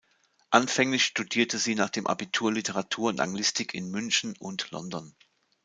Anfänglich studierte sie nach dem Abitur Literatur und Anglistik in München und London.